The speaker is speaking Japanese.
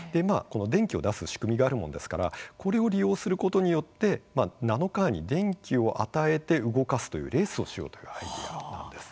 電気を出す仕組みがあるものですからこれを利用することによってナノカーに電気を与えて動かすというレースをしようというアイデアなんです。